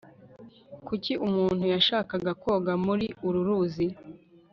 kuki umuntu yashaka koga muri uru ruzi